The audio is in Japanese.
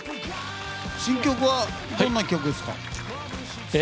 新曲は、どんな曲ですか？